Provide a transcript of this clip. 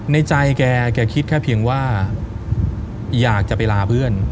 ในใจแกคิดแค่เพียงว่าอยากจะไปลาเพื่อน